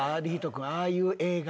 君ああいう映画。